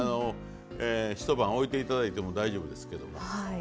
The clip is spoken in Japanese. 一晩おいて頂いても大丈夫ですけども。